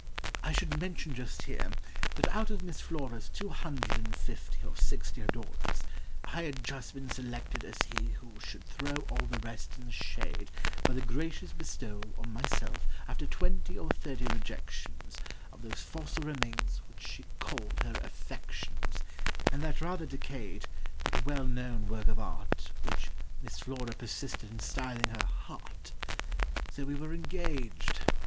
I should mention just here, that out of Miss Flora's Two hundred and fifty or sixty adorers, I had just been selected as he who should throw all The rest in the shade, by the gracious bestowal On myself after twenty or thirty rejections, Of those fossil remains which she called her "affections," And that rather decayed, but well known work of art, Which Miss Flora persisted in styling her "heart." So we were engaged.